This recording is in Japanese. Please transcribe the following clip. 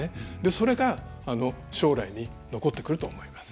それが、将来に残ってくると思います。